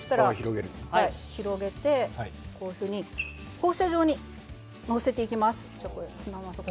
広げて放射状に載せていきます。